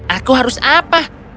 aku harus apa